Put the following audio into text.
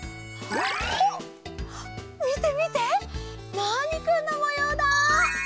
みてみてナーニくんのもようだ！